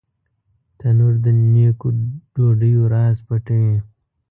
تنور د نیکو ډوډیو راز پټوي